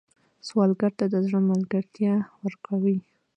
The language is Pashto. سوالګر ته د زړه ملګرتیا ورکوئ